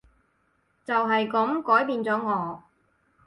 就係噉改變咗我